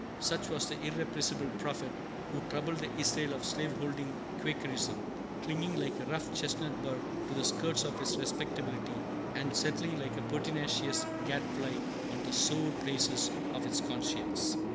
Such was the irrepressible prophet who troubled the Israel of slave holding Quakerism, clinging like a rough chestnut bur to the skirts of its respectability, and settling like a pertinacious gad fly on the sore places of its conscience.